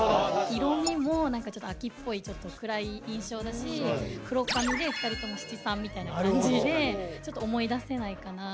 色みもちょっと秋っぽいちょっと暗い印象だし黒髪で２人とも七三みたいな感じでちょっと思い出せないかなぁと。